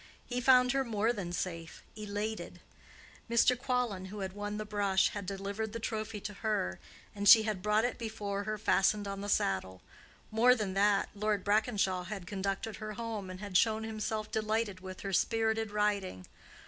He found her more than safe—elated. Mr. Quallon, who had won the brush, had delivered the trophy to her, and she had brought it before her, fastened on the saddle; more than that, Lord Brackenshaw had conducted her home, and had shown himself delighted with her spirited riding.